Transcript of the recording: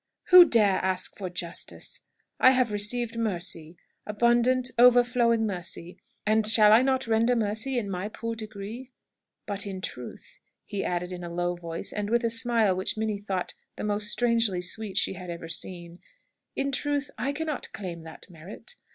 "Who dare ask for justice? I have received mercy abundant, overflowing mercy and shall I not render mercy in my poor degree? But in truth," he added, in a low voice, and with a smile which Minnie thought the most strangely sweet she had ever seen "in truth, I cannot claim that merit.